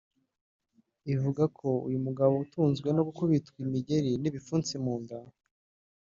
ivuga ko uyu mugabo utunzwe no gukubitwa imigeri n’ibipfunsi mu nda